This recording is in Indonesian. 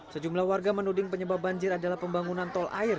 sejumlah warga menuding penyebab banjir adalah pembangunan tol air